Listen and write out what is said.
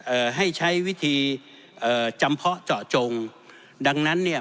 เอ่อให้ใช้วิธีเอ่อจำเพาะเจาะจงดังนั้นเนี่ย